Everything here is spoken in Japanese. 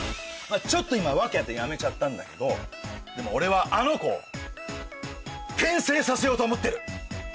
ちょっと今訳あってやめちゃったんだけどでも俺はあの子を転生させようと思ってる！